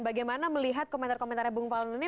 bagaimana melihat komentar komentarnya bung faldo ini